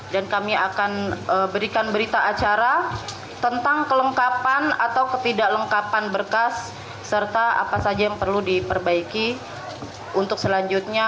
dan kami akan berikan berita acara tentang kelengkapan atau ketidaklengkapan berkas serta apa saja yang perlu diperbaiki untuk selanjutnya